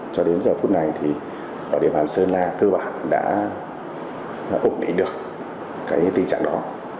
cho đến giờ phút này thì ở địa bàn sơn la cơ bản đã ổn định được cái tình trạng đó